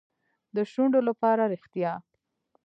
د شونډو لپاره ریښتیا.